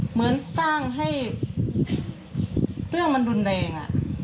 เหมือนสร้างให้เรื่องมันรุนแรง